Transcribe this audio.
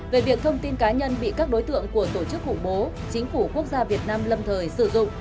về việc thông tin cá nhân bị các đối tượng của tổ chức khủng bố chính phủ quốc gia việt nam lâm thời sử dụng